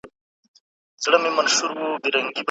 د نجونو تعلیم د کورنۍ پرمختګ سره تړاو لري.